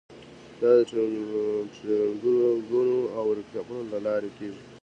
دا د ټریننګونو او ورکشاپونو له لارې کیږي.